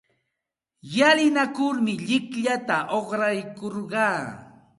Llalinakurmi llikllata uqraykurqaa.